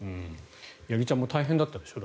八木ちゃんも大変だったでしょ？